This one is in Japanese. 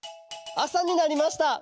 あさになりました。